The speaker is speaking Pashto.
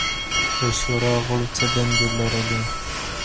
د شورا غړو څه دندې لرلې؟